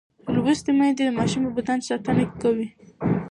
لوستې میندې د ماشوم د بدن ساتنه کوي.